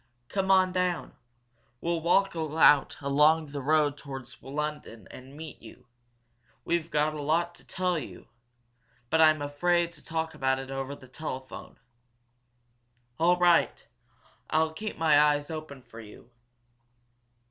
"Come on down. We'll walk out along the road towards London and meet you. We've got a lot to tell you, but I'm afraid to talk about it over the telephone." "All right! I'll keep my eyes open for you."